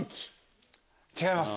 違います。